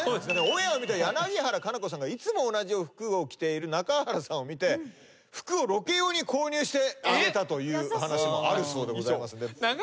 オンエアを見た柳原可奈子さんがいつも同じ服を着ている中原さんを見て服をロケ用に購入してあげたというお話もあるそうでございます。